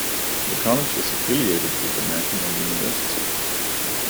The college is affiliated with the National University.